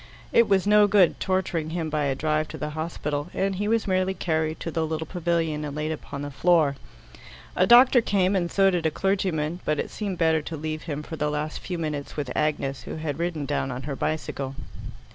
It was no good torturing him by a drive to the hospital, and he was merely carried to the little pavilion and laid upon the floor. A doctor came, and so did a clergyman, but it seemed better to leave him for the last few minutes with Agnes, who had ridden down on her bicycle.